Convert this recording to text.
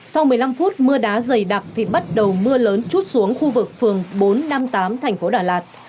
sau một mươi năm phút mưa đá dày đặc thì bắt đầu mưa lớn chút xuống khu vực phường bốn năm tám thành phố đà lạt